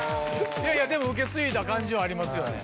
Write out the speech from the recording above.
いやいやでも受け継いだ感じはありますよね